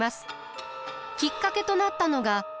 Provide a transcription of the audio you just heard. きっかけとなったのが。